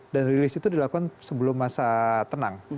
dan rilis itu dilakukan sebelum masa tenang